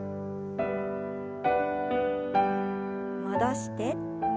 戻して。